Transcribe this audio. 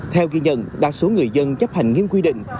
theo ghi nhận đa số người dân chấp hành nghiêm quy định